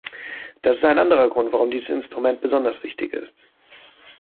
Das ist ein anderer Grund, warum dieses Instrument besonders wichtig ist.